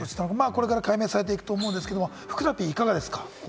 これから解明していくと思うんですけれど、ふくらＰ、いかがですか？